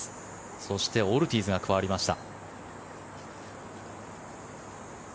そして、オルティーズが加わりました。